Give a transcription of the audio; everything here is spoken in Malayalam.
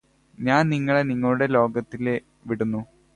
ഞാന് നിങ്ങളെ നിങ്ങളുടെ ലോകത്തില് വിടുന്നു